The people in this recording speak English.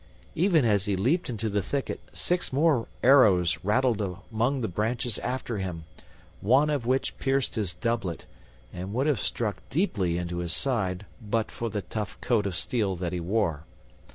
Even as he leaped into the thicket six more arrows rattled among the branches after him, one of which pierced his doublet, and would have struck deeply into his side but for the tough coat of steel that he wore.